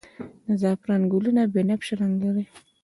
د زعفران ګلونه بنفش رنګ لري